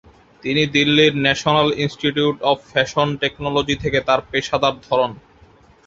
তিনি দিল্লির National Institute of Fashion Technology থেকে তার পেশাদার ধরন।